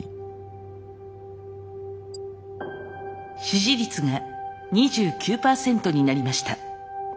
支持率が２９％になりました。